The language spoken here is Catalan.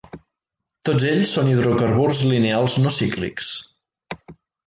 Tots ells són hidrocarburs lineals no cíclics.